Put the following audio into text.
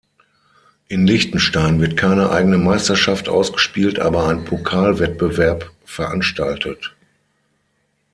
In Liechtenstein wird keine eigene Meisterschaft ausgespielt, aber ein Pokalwettbewerb veranstaltet.